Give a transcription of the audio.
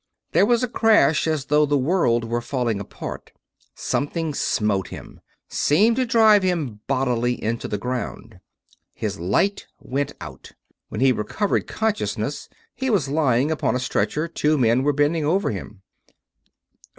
There was a crash as though the world were falling apart. Something smote him; seemed to drive him bodily into the ground. His light went out. When he recovered consciousness he was lying upon a stretcher; two men were bending over him.